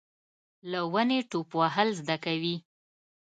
له ونې ټوپ وهل زده کوي .